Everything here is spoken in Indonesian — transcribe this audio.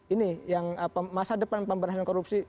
ini yang masa depan pemberantasan korupsi